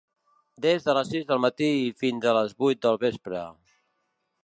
Des de les sis del matí i fins a les vuit del vespre.